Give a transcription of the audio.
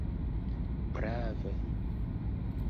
prave